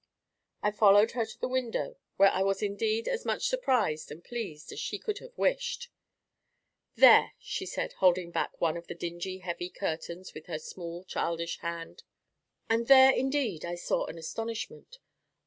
I followed her to the window, where I was indeed as much surprised and pleased as she could have wished. "There!" she said, holding back one of the dingy heavy curtains with her small childish hand. And there, indeed, I saw an astonishment.